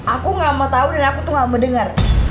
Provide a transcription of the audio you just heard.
aku gak mau tau dan aku tuh gak mau denger